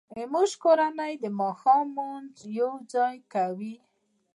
زموږ کورنۍ د ماښام لمونځ یوځای کوي